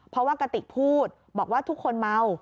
เพราะว่ากระติกพูดบอกว่าทุกคนเมา